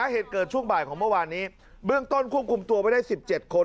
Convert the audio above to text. เหตุเกิดช่วงบ่ายของเมื่อวานนี้เบื้องต้นควบคุมตัวไว้ได้๑๗คน